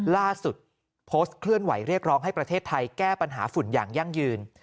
ล่าสุดโพสต์เคลื่อนไหวเรียกร้องให้ประเทศไทยแก้ปัญหาฝุ่นอย่างยั่งยืน